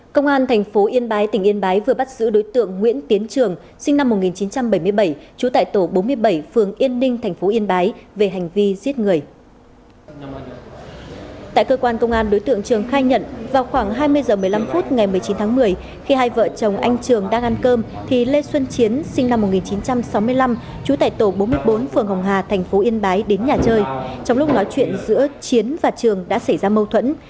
các bạn hãy đăng ký kênh để ủng hộ kênh của chúng mình nhé